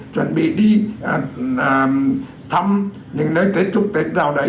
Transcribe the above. chuẩn bị đi thăm những nơi tết trục tết nào đấy